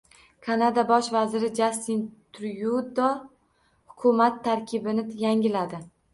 Kanada bosh vaziri Jastin Tryudo hukumat tarkibini yangiladi